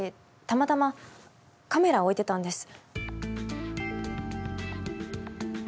たまたまカメラを置いてたんです。